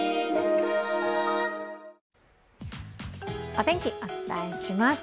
お天気、お伝えします。